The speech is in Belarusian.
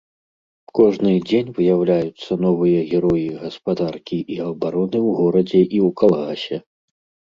Кожны дзень выяўляюцца новыя героі гаспадаркі і абароны ў горадзе і ў калгасе.